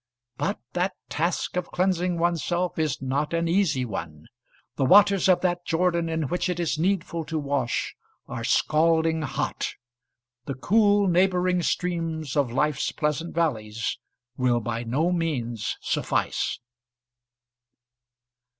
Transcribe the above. But that task of cleansing oneself is not an easy one; the waters of that Jordan in which it is needful to wash are scalding hot. The cool neighbouring streams of life's pleasant valleys will by no means suffice.